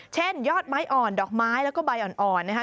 ยอดไม้อ่อนดอกไม้แล้วก็ใบอ่อนนะคะ